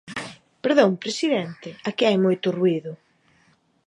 Perdón, presidente, aquí hai moito ruído.